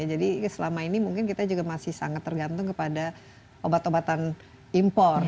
jadi selama ini mungkin kita juga masih sangat tergantung kepada obat obatan impor